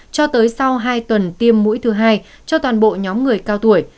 cho tới sau hai tuần tiêm mũi thứ hai cho toàn bộ nhóm người cao tuổi